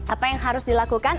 apa yang harus dilakukan